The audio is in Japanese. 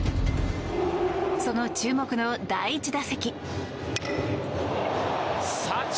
その注目の第１打席。